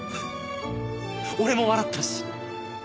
俺も笑ったし。